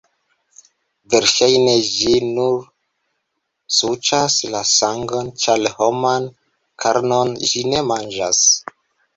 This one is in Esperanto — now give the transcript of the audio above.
Verŝajne ĝi nur suĉas la sangon, ĉar homan karnon ĝi ne manĝas.